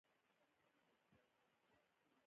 په بانک کې حساب لرل ټولنیز اعتبار زیاتوي.